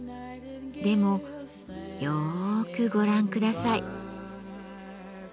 でもよくご覧下さい。